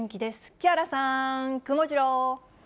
木原さん、くもジロー。